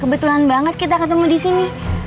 kebetulan banget kita ketemu disini